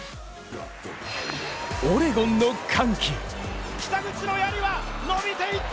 オレゴンの歓喜。